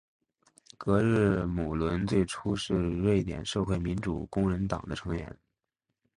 格日姆伦最初是瑞典社会民主工人党的成员。